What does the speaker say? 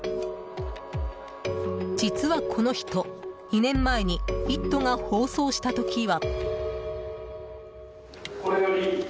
実はこの人、２年前に「イット！」が放送した時は。